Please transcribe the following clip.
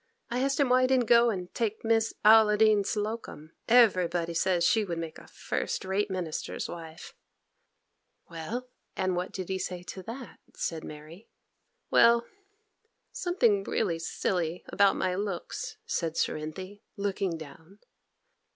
I asked him why he didn't go and take Miss Olladine Hocum. Everybody says she would make a first rate minister's wife.' 'Well; and what did he say to that?' said Mary. 'Well, something really silly about my looks,' said Cerinthy, looking down.